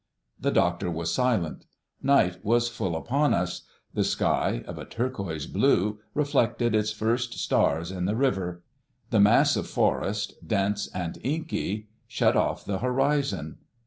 The doctor was silent. Night was full upon us. The sky, of a turquoise blue, reflected its first stars in the river. The mass of forest, dense and inky, shut off the horizon.